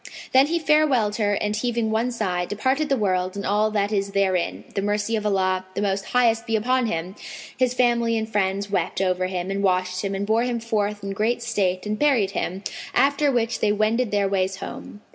Then he farewelled her and heaving one sigh, departed the world and all that is therein—the mercy of Allah the Most Highest be upon Him! His family and friends wept over him and washed him and bore him forth in great state and buried him; after which they wended their ways home.